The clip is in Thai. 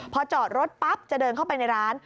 พอจอดรถปั๊บจะเดินเข้าไปในร้าน